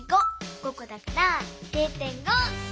５こだから０．５！